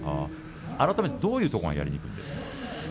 改めてどういうところがやりにくかったですか？